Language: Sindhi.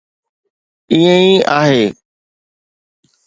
ائين ئي آهي.